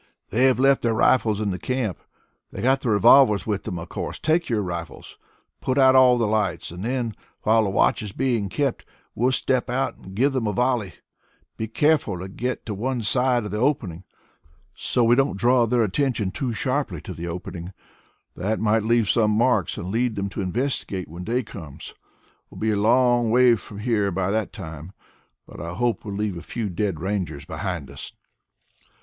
"They have left their rifles in the camp. They've got their revolvers with them, of course. Take your rifles. Put out all the lights, then while the watch is being kept we'll step out and give them a volley. Be careful to get to one side of the opening so we don't draw their attention too sharply to the opening. That might leave some marks and lead them to investigate when day comes. We'll be a long way from here by that time, but I hope we'll leave a few dead Rangers behind us."